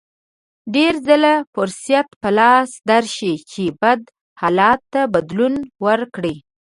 ډېر ځله فرصت په لاس درشي چې بد حالت ته بدلون ورکړئ.